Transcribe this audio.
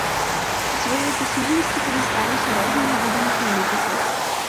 У сваёй пісьменнасці карысталіся рознымі відамі клінапісу.